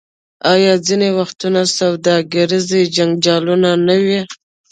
آیا ځینې وختونه سوداګریز جنجالونه نه وي؟